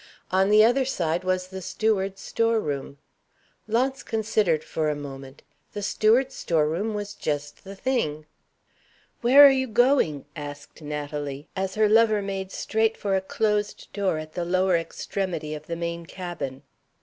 On the other side was the steward's store room. Launce considered for a moment. The steward's store room was just the thing! "Where are you going?" asked Natalie, as her lover made straight for a closed door at the lower extremity of the main cabin.